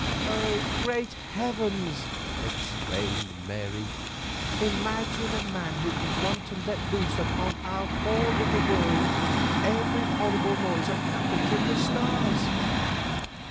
"Great heavens!" exclaimed Mary, "imagine a man who can want to let loose upon our poor little world every horrible noise that happens in the stars.